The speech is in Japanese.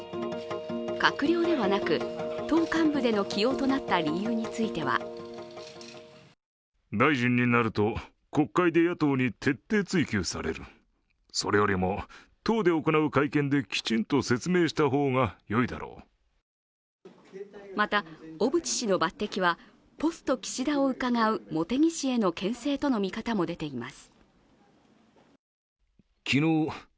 閣僚ではなく、党幹部での起用となった理由についてはまた小渕氏の抜てきはポスト岸田をうかがう茂木氏へのけん制との見方も出ています。